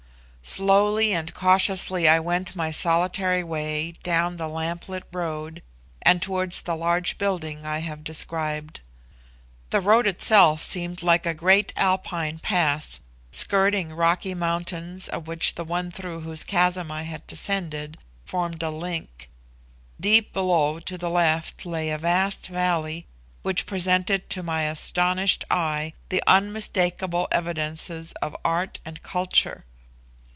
Slowly and cautiously I went my solitary way down the lamplit road and towards the large building I have described. The road itself seemed like a great Alpine pass, skirting rocky mountains of which the one through whose chasm I had descended formed a link. Deep below to the left lay a vast valley, which presented to my astonished eye the unmistakeable evidences of art and culture.